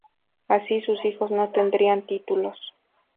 Así, sus hijos no tendrían títulos.